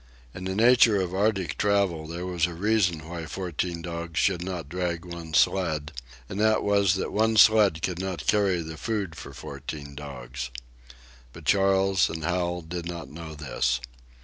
In the nature of Arctic travel there was a reason why fourteen dogs should not drag one sled, and that was that one sled could not carry the food for fourteen dogs. But Charles and Hal did not know this.